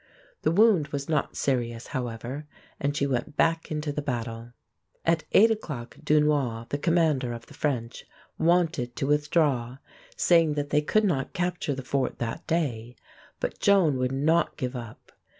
The wound was not serious, however, and she went back into the battle. At eight o'clock Dunois, the commander of the French, wanted to withdraw, saying that they could not capture the fort that day; but Joan would not give up.